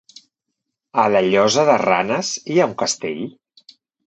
A la Llosa de Ranes hi ha un castell?